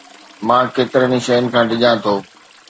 مان ڪيترن ئي شين کان ڊڄان ٿو